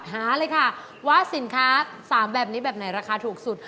หาเลยค่ะว่าสินค้า๓แบบนี้แบบไหนราคาถูกสุด